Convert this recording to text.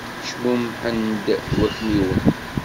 Cmummḥen-d wakniwen.